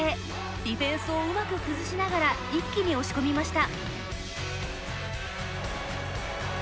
ディフェンスをうまく崩しながら一気に押し込みました。